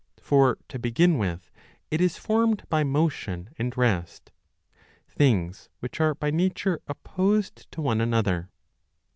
20 For to begin with, it is formed by motion and rest, 1 things which are by nature opposed to one another.